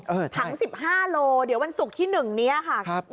เออใช่ถัง๑๕โลกรัมเดี๋ยววันศุกร์ที่๑นี้ค่ะ